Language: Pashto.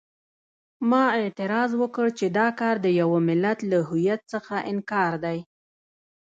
ما اعتراض وکړ چې دا کار د یوه ملت له هویت څخه انکار دی.